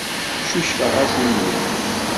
Cucfeɣ-as i mmi.